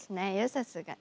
さすがに。